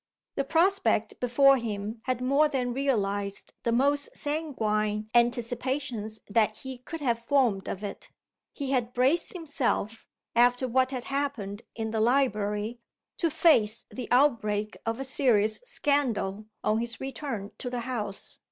The prospect before him had more than realized the most sanguine anticipations that he could have formed of it. He had braced himself after what had happened in the library to face the outbreak of a serious scandal, on his return to the house.